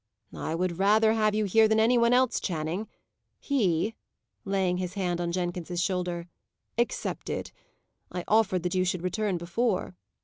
"I would rather have you here than any one else, Channing; he" laying his hand on Jenkins's shoulder "excepted. I offered that you should return before."